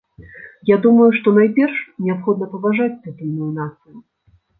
Я думаю, што найперш неабходна паважаць тытульную нацыю.